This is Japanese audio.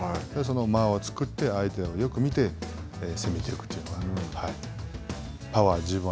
間を作って、相手をよく見て攻めきるというのが。